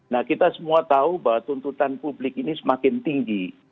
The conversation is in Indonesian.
nah kita semua tahu bahwa tuntutan publik ini semakin tinggi